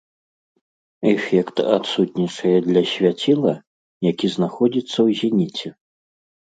Эфект адсутнічае для свяціла, які знаходзіцца ў зеніце.